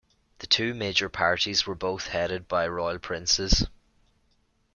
The two major parties were both headed by royal princes.